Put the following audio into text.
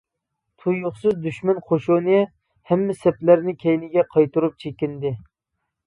تۇيۇقسىز دۈشمەن قوشۇنى ھەممە سەپلىرىنى كەينىگە قايتۇرۇپ چېكىندى.